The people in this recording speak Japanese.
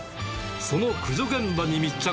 その駆除現場に密着。